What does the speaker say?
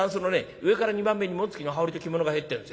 上から２番目に紋付きの羽織と着物が入ってるんです。